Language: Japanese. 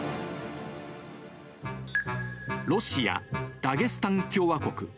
ロシア・ダゲスタン共和国。